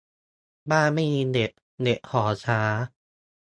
-บ้านไม่มีเน็ต เน็ตหอช้า